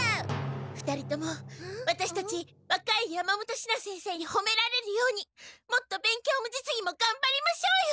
２人ともワタシたちわかい山本シナ先生にほめられるようにもっと勉強も実技もがんばりましょうよ！